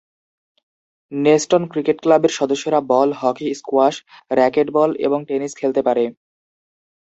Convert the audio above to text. নেস্টন cricket ক্লাবের সদস্যরা ball, hockey, squash, racketball এবং টেনিস খেলতে পারে।